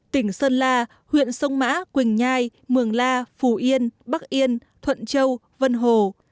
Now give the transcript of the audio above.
tỉnh sơn la huyện sông mã quỳnh nhai mường la phủ yên bắc yên thuận châu vân hồ